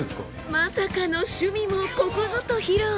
まさかの趣味もここぞと披露。